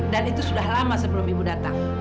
dan itu sudah lama sebelum ibu datang